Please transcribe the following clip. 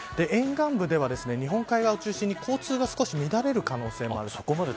沿岸部では日本海側を中心に交通が乱れる可能性もあります。